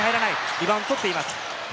リバウンドを取っています。